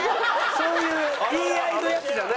そういう言い合いのやつじゃないから。